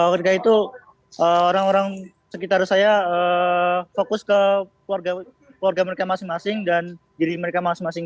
warga itu orang orang sekitar saya fokus ke keluarga mereka masing masing dan diri mereka masing masing